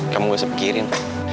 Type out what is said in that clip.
kamu gue sepikirin